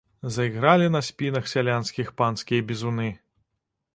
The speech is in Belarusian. Заігралі па спінах сялянскіх панскія бізуны.